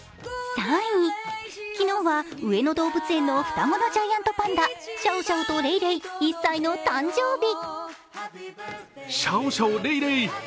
昨日は上野動物園の双子のジャイアントパンダ、シャオシャオとレイレイの１歳の誕生日。